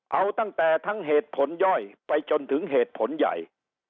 เอาตั้งแต่ทั้งเหตุผลย่อยไปจนถึงเหตุผลใหญ่